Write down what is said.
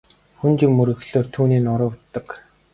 Хүнд юм өргөхлөөр түүний нуруу өвддөг.